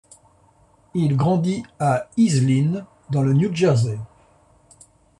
Il grandit à Iselin, dans le New Jersey.